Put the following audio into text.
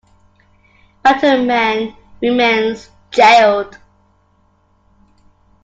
Bantleman remains jailed.